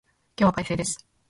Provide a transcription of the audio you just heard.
今日は快晴です。